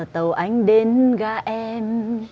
tàu anh đến ga em